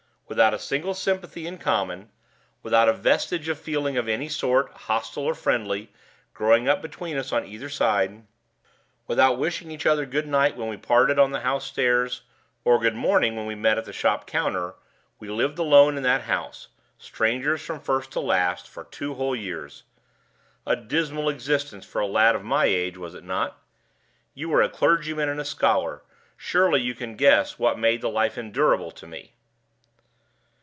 Without a single sympathy in common without a vestige of feeling of any sort, hostile or friendly, growing up between us on either side without wishing each other good night when we parted on the house stairs, or good morning when we met at the shop counter, we lived alone in that house, strangers from first to last, for two whole years. A dismal existence for a lad of my age, was it not? You are a clergyman and a scholar surely you can guess what made the life endurable to me?"